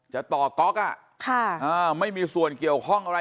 จะต่อก๊อกไม่มีส่วนเกี่ยวข้องอะไร